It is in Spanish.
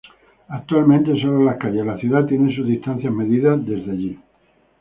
Actualmente, sólo las calles de la ciudad tienen sus distancias medidas desde allí.